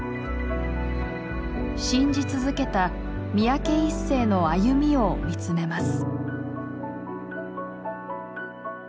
信じ続けた三宅一生の歩みを見つめます。